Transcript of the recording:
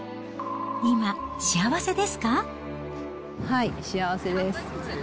今、はい、幸せです。